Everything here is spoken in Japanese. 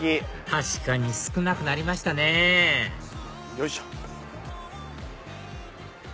確かに少なくなりましたねよいしょ。